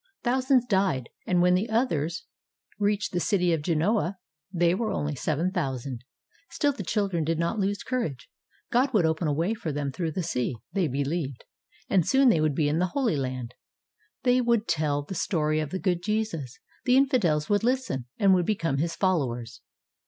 Thousands died, and when the others reached the city of Genoa, they were only seven thou sand. Still the children did not lose courage. God would open a way for them through the sea, they believed, and soon they would be in the Holy Land. They would tell the story of the good Jesus. The infidels would listen and would become his followers.